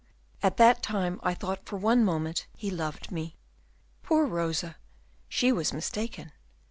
at that time I thought for one moment he loved me." Poor Rosa! she was mistaken.